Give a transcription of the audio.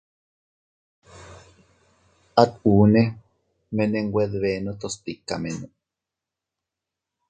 At unne mene nwe dbenotos tikamene.